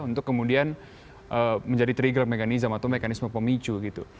untuk kemudian menjadi trigger mechanism atau mekanisme pemicu gitu